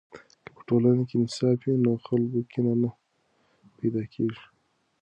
که په ټولنه کې انصاف وي، نو خلکو کې کینه نه پیدا کیږي.